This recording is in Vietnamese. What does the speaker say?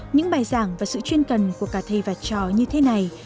những bài giảng và sự chuyên cần của cả thầy và trò như thế này